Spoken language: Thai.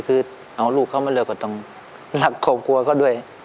คือเอาลูกเขามาเร็วก็ต้องรักครอบครัวเขาด้วย